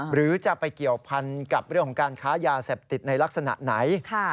หรือจะไปเกี่ยวพันกับเรื่องของการค้ายาเสพติดในลักษณะไหน